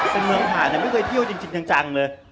เป็นเมืองหาเนี่ยไม่เคยเที่ยวจริงจริงจังเลย